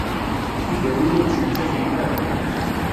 Tigawin ur ttmettatent ara.